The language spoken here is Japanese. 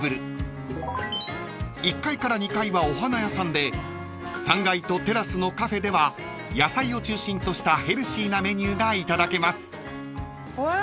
［１階から２階はお花屋さんで３階とテラスのカフェでは野菜を中心としたヘルシーなメニューがいただけます］うわ。